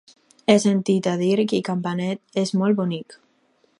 He sentit a dir que Campanet és molt bonic.